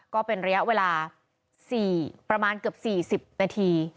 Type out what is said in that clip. ก็เป็นระยะเวลาประมาณเกือบ๔๐นาที